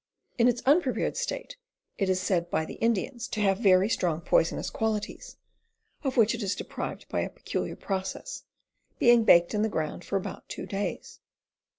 In its unprepared state it is said by the Indians to have very strong poisonous qualities, of which it is deprived by a peculiar process, being baked in the ground for about two days."